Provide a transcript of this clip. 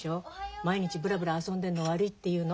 毎日ブラブラ遊んでんの悪いって言うの。